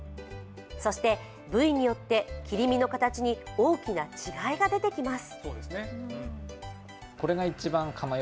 そして、部位によって切り身の形に大きな違いが出てきます。